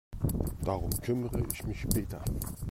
Darum kümmere ich mich später.